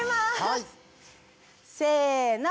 せの！